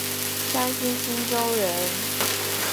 山西忻州人。